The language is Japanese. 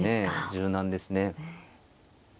柔軟ですね。